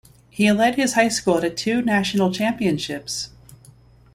He led his high school to two National Championships.